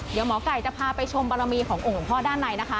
เดี๋ยวหมอไก่จะพาไปชมบารมีขององค์หลวงพ่อด้านในนะคะ